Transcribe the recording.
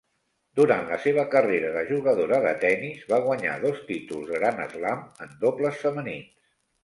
Durant la seva carrera de jugadora de tenis va guanyar dos títols de Grand Slam en dobles femenins.